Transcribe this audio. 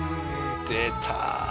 出た！